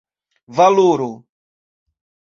valoro